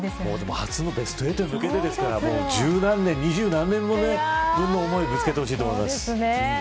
初のベスト８に向けてですから２０何年分の思いをぶつけてほしいと思います。